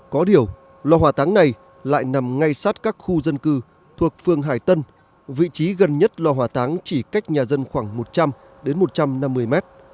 có điều lò hỏa táng này lại nằm ngay sát các khu dân cư thuộc phường hải tân vị trí gần nhất lò hỏa táng chỉ cách nhà dân khoảng một trăm linh m